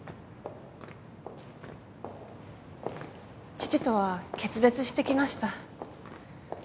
父とは決別してきました。